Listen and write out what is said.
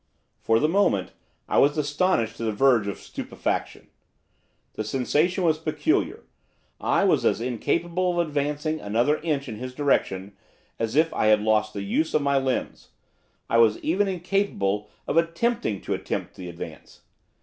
For the moment, I was astonished to the verge of stupefaction. The sensation was peculiar. I was as incapable of advancing another inch in his direction as if I had lost the use of my limbs, I was even incapable of attempting to attempt to advance.